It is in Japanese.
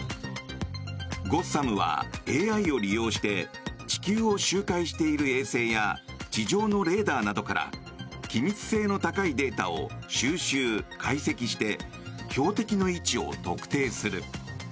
ゴッサムはＡＩを利用して地球を周回している衛星や地上のレーダーなどから機密性の高いデータを収集・解析して標的の位置を特定する。